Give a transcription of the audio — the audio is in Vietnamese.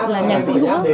là nhạc sĩ hữu ước